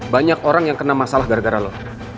banyak orang yang kena masalah gara gara loh